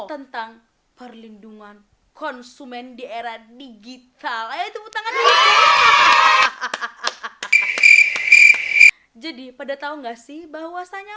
tentang perlindungan konsumen di era digital itu butangkan jadi pada tahu enggak sih bahwasanya